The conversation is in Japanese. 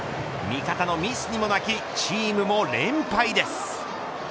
味方のミスにも泣きチームも連敗です。